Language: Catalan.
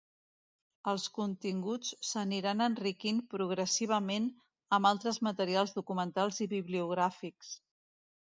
Els continguts s'aniran enriquint progressivament amb altres materials documentals i bibliogràfics.